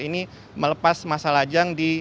ini melepas masalah jang